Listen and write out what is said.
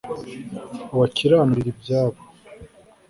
ubakiranurire ibyabo